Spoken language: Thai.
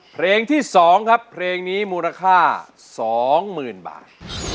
เพลงที่๒ครับเพลงนี้มูลค่า๒๐๐๐บาท